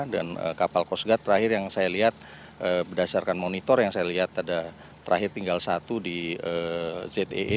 kapal coast guard terakhir yang saya lihat berdasarkan monitor yang saya lihat pada terakhir tinggal satu di zee